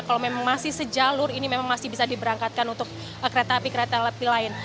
kalau memang masih sejalur ini memang masih bisa diberangkatkan untuk kereta api kereta api lain